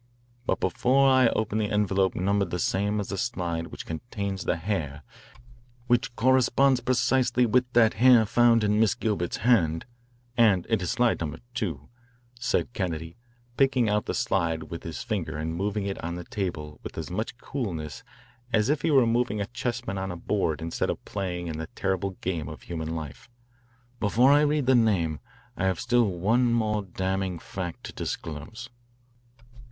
But before I open the envelope numbered the same as the slide which contains the hair which corresponds precisely with that hair found in Miss Gilbert's hand and it is slide No. 2 " said Kennedy, picking out the slide with his finger and moving it on the table with as much coolness as if he were moving a chessman on a board instead of playing in the terrible game of human life, "before I read the name I have still one more damning fact to disclose."